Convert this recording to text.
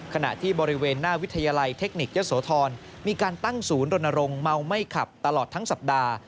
ขณะที่บริเวณหน้าวิทยาลัยเทคนิคเยอะโสธรมีการตั้งศูนย์รณรงค์เมาไม่ขับตลอดทั้งสัปดาห์